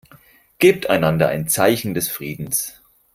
Gebt einander ein Zeichen des Friedens.